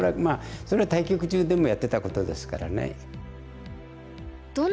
それは対局中でもやってたことですからね。